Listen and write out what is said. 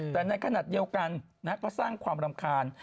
แต่ในขณะเดียวกันก็สร้างความรำคาญ